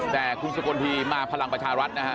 แต่คุณสกลทีมาพลังประชารัฐนะฮะ